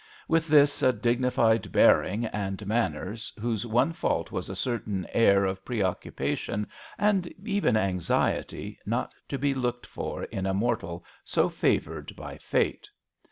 With this a dignified bearing and manners, whose one fault was a certain air of preoccupation and i l8o MISS AWDREY AT HOME. even anxiety not to be looked for in a mortal so favoured by fate.